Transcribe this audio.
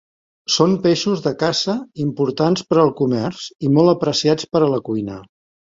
Són peixos de caça importants per al comerç i molt apreciats per a la cuina.